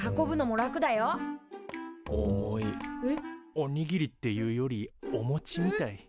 おにぎりっていうよりおもちみたい。